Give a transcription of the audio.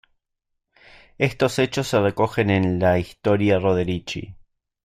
Estos hechos se recogen en la "Historia Roderici".